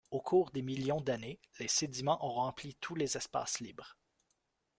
Au cours des millions d'années, les sédiments ont rempli tous les espaces libres.